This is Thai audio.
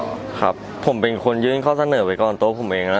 ครับผมเป็นคนยื่นข้อเสนอไปก่อนตัวผมเองนะ